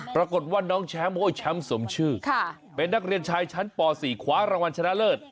ปรากฏว่าน้องแชมป์โอ้ยแชมป์สมชื่อเป็นนักเรียนชายชั้นป๔คว้ารางวัลชนะเลิศ